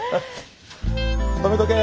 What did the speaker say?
止めとけ。